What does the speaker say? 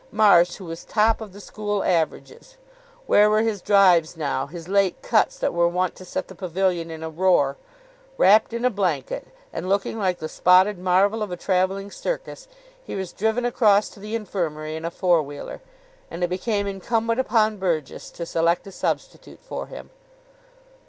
Marsh, who was top of the school averages. Where were his drives now, his late cuts that were wont to set the pavilion in a roar. Wrapped in a blanket, and looking like the spotted marvel of a travelling circus, he was driven across to the Infirmary in a four wheeler, and it became incumbent upon Burgess to select a substitute for him.